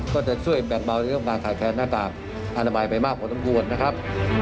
ก็จะช่วยแบกบาลในเรื่องของการขายแคลนหน้ากากอาณาบายไปมากกว่าทั้งทุกคนนะครับ